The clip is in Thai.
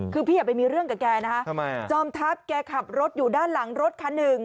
คือพี่อย่าไปมีเรื่องกับแกนะคะจอมทัพแกขับรถอยู่ด้านหลังรถคันหนึ่ง